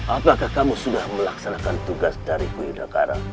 apakah kamu sudah melaksanakan tugas dari kuidakara